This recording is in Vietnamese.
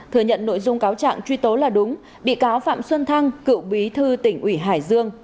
thừa nhận nội dung cáo trạng truy tố là đúng bị cáo phạm xuân thăng cựu bí thư tỉnh ủy hải dương